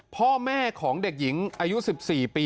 พ่อแม่ของเด็กหญิงอายุ๑๔ปี